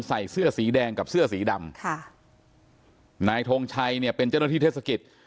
ใส่เสื้อสีแดงกับเสื้อสีดำค่ะนายทงชัยเนี่ยเป็นเจ้าหน้าที่เทศกิจ